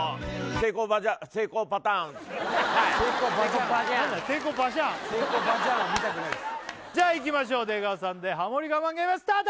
成功バジャーンは見たくないですじゃあいきましょう出川さんでハモリ我慢ゲームスタート！